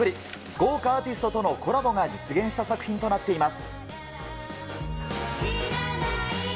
豪華アーティストとのコラボが実現した作品となっています。